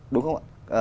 đúng không ạ